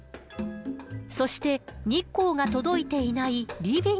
そして日光が届いていないリビング。